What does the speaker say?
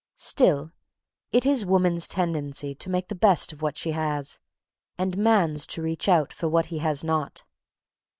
Still, it is woman's tendency to make the best of what she has, and man's to reach out for what he has not.